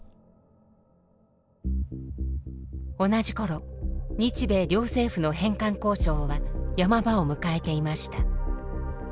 同じころ日米両政府の返還交渉は山場を迎えていました。